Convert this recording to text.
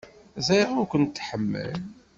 Ẓriɣ ur kent-tḥemmel.